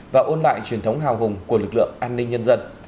và ôn lại truyền thống hào hùng của lực lượng an ninh nhân dân